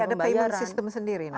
jadi ada payment system sendiri nanti